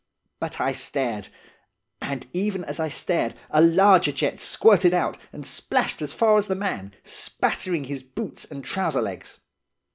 But I stared! And even as I stared a larger jet squirted out, and splashed as far as the man, spattering his boots and trouser legs.